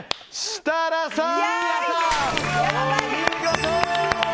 設楽さん